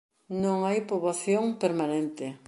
Non hai poboación permanente.